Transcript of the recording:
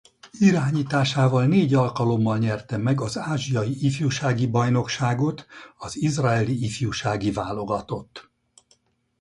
Irányításával négy alkalommal nyerte meg az Ázsiai ifjúsági-bajnokságot az Izraeli ifjúsági válogatott.